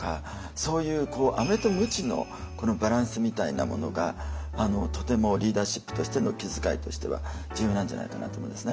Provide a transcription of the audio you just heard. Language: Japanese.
そういうアメとムチのこのバランスみたいなものがとてもリーダーシップとしての気遣いとしては重要なんじゃないかなと思うんですね。